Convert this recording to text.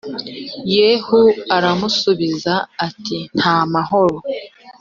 yehu aramusubiza ati nta mahoro